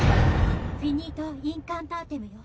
フィニート・インカンターテムよ